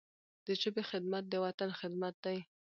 د ژبي خدمت، د وطن خدمت دی.